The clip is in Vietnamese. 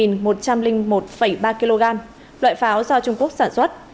một ba kg loại pháo do trung quốc sản xuất